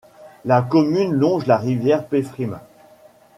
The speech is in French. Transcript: La commune longe la rivière Pfrimm.